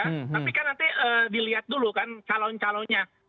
tapi kan nanti dilihat dulu kan calon calonnya